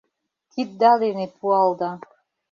Кидда дене пуалда